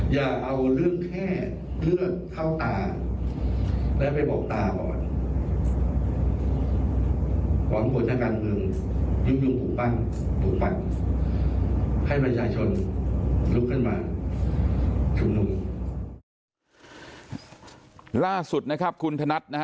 อย่าเอาเรื่องแค่เลือดเข้าตาแล้วไปบอกว่าตาบอด